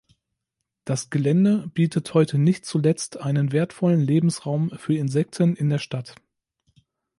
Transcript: Das Gelände bietet heute nicht zuletzt einen wertvollen Lebensraum für Insekten in der Stadt.